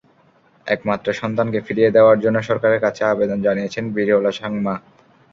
একমাত্র সন্তানকে ফিরিয়ে দেওয়ার জন্য সরকারের কাছে আবেদন জানিয়েছেন বিরলা সাংমা।